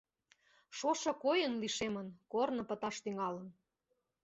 Шошо койын лишемын, корно пыташ тӱҥалын.